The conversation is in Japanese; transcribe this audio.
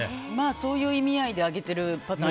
そういう意味合いであげているパターン